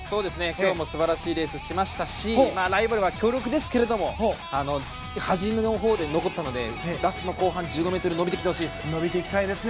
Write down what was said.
今日も素晴らしいレースをしましたしライバルは強力ですけど端のほうで残ったのでラストの後半１５ｍ伸びてきてほしいです。